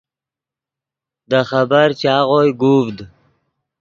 دے خبر چاغوئے گوڤد